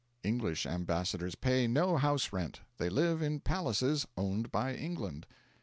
English ambassadors pay no house rent; they live in palaces owned by England.